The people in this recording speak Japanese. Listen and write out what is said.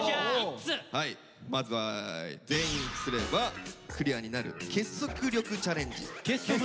まずは全員一致すればクリアになる結束力チャレンジ。